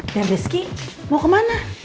dan rizky mau kemana